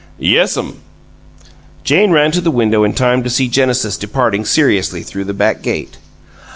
"YES'M!" Jane ran to the window in time to see Genesis departing seriously through the back gate.